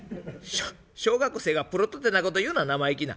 「小学生がプロットってなこと言うな生意気な」。